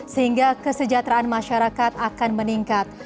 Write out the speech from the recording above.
sehingga kesejahteraan masyarakat akan meningkat